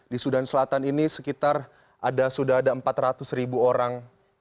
di sudan selatan ini sekitar sudah ada empat ratus ribu orang